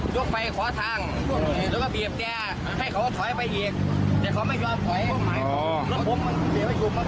รถพุ่มมันเบียบให้หยุดมาก็เลยรวดไปเลยครับ